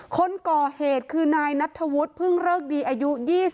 คนก่อเหตุคือนายนัทธวุฒิพึ่งเริกดีอายุ๒๐